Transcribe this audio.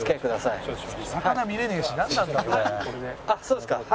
あっそうですか。